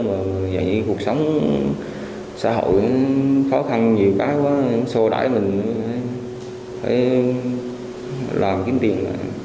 mà giờ những cuộc sống xã hội khó khăn nhiều quá xô đãi mình phải làm kiếm tiền